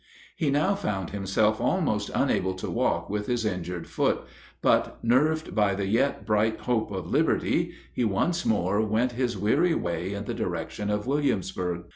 He now found himself almost unable to walk with his injured foot, but, nerved by the yet bright hope of liberty, he once more went his weary way in the direction of Williamsburg.